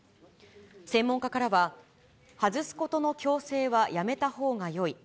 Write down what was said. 専門家からは、外すことの強制はやめたほうがよい。